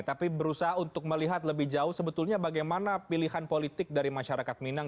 tapi berusaha untuk melihat lebih jauh sebetulnya bagaimana pilihan politik dari masyarakat minang